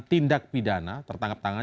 tindak pidana tertangkap tangan